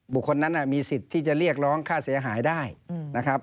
บุคคลนั้นมีสิทธิ์ที่จะเรียกร้องค่าเสียหายได้นะครับ